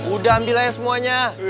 udah ambil aja semuanya